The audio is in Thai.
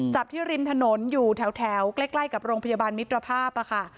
จับที่ริมถนนอยู่แถวใกล้กับโรงพยาบาลมิตรภาพค่ะ